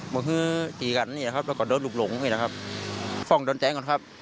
หมดคือตีกันเนี่ยครับแล้วก็โดนลุกหลงเนี่ยครับฟ่องโดนแทงก่อนครับ